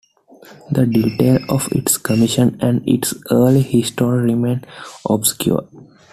The details of its commission and its early history remain obscure.